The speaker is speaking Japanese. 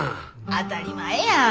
当たり前やん。